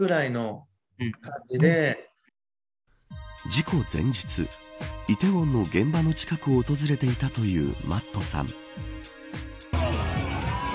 事故前日梨泰院の現場の近くを訪れていたというＭａｔｔさん。